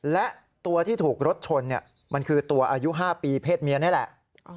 และตัวที่ถูกรถชนมันคือตัวอายุ๕ปีเพศเมียนี่แหละ